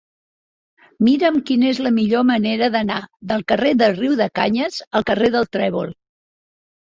Mira'm quina és la millor manera d'anar del carrer de Riudecanyes al carrer del Trèvol.